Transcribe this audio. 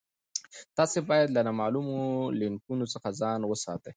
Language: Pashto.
تاسي باید له نامعلومو لینکونو څخه ځان وساتئ.